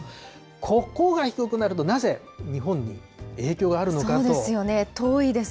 ここが低くなるとなぜ、日本に影そうですよね、遠いです